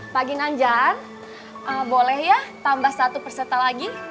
pagi nanjar boleh ya tambah satu perserta lagi